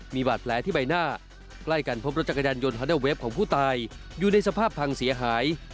มีบาดแผลที่ใบหน้าใกล้กันพบรถจักรยานยนต์ฮอนด้าเวฟของผู้ตายอยู่ในสภาพพังเสียหาย